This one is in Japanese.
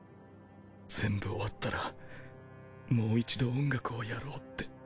全部終わったらもう一度音楽をやろうって。